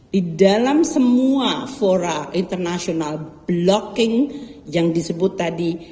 di dalam semua fora international blocking yang disebut tadi